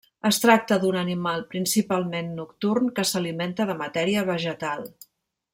Es tracta d'un animal principalment nocturn que s'alimenta de matèria vegetal.